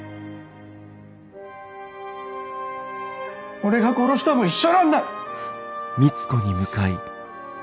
俺が殺したも一緒なんだ！